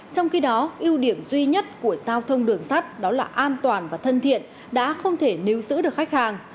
trong khi đó ưu điểm duy nhất của giao thông đường sắt đó là an toàn và thân thiện đã không thể níu giữ được khách hàng